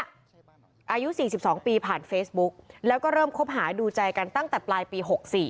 อายุ๔๒ปีผ่านเฟซบุ๊กแล้วก็เริ่มคบหาดูใจกันตั้งแต่ปลายปี๖๔